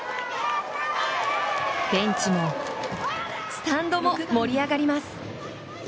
ベンチも、スタンドも盛り上がります。